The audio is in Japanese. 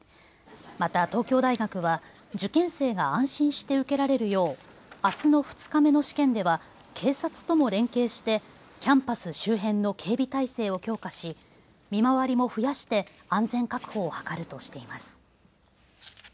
また東京大学は受験生が安心して受けられるよう、あすの２日目の試験では警察とも連携してキャンパス周辺の警備体制を強化し見回りも増やして安全確保を図るとしています。